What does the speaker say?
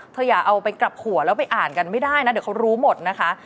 อย่าเอาไปกลับหัวแล้วไปอ่านกันไม่ได้นะเดี๋ยวเขารู้หมดนะคะ